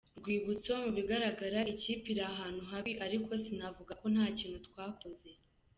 Rwibutso: Mu bigaragara ikipe yari iri ahantu habi ariko sinavuga ko nta kintu twakoze.